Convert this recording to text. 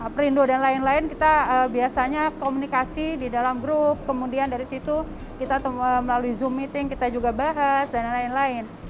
perindo dan lain lain kita biasanya komunikasi di dalam grup kemudian dari situ kita melalui zoom meeting kita juga bahas dan lain lain